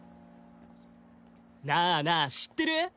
なあなあ知ってる？